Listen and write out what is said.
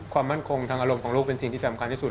ความมั่นคงทางอารมณ์ของลูกเป็นสิ่งที่สำคัญที่สุด